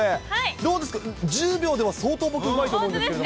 どうですか、１０秒では相当僕、うまいと思うんですけど。